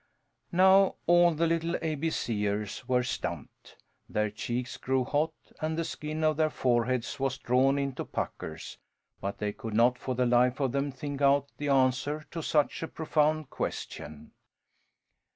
Now all the little A B C ers were stumped! Their cheeks grew hot and the skin on their foreheads was drawn into puckers, but they could not for the life of them think out the answer to such a profound question.